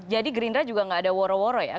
jadi gerindra juga nggak ada woro woro ya